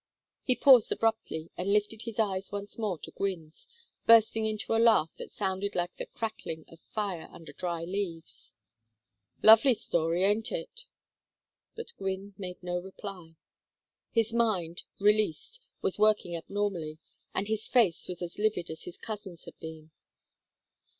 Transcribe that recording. He paused abruptly and lifted his eyes once more to Gwynne's, bursting into a laugh that sounded like the crackling of fire under dry leaves. "Lovely story, ain't it?" But Gwynne made no reply. His mind, released, was working abnormally, and his face was as livid as his cousin's had been.